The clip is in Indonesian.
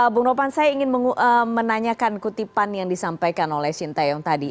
bung nopan saya ingin menanyakan kutipan yang disampaikan oleh sintayong tadi